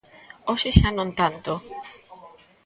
Hoxe xa non tanto.